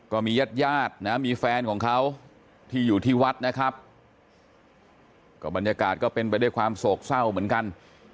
ก็มีญาติญาตินะมีแฟนของเขาที่อยู่ที่วัดนะครับก็บรรยากาศก็เป็นไปด้วยความโศกเศร้าเหมือนกัน